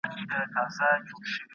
ګټور فعالیتونه اقتصاد پیاوړی کوي.